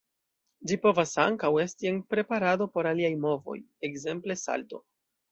Ĝi povas ankaŭ esti en preparado por aliaj movoj, ekzemple salto.